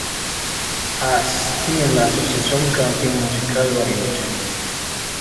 As., y en la Asociación Camping Musical Bariloche.